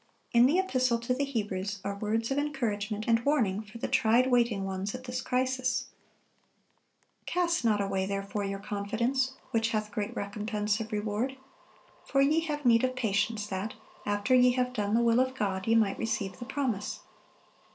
In the Epistle to the Hebrews are words of encouragement and warning for the tried, waiting ones at this crisis: "Cast not away therefore your confidence, which hath great recompense of reward. For ye have need of patience, that, after ye have done the will of God, ye might receive the promise.